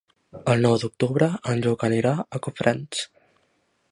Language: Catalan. El nou d'octubre en Lluc anirà a Cofrents.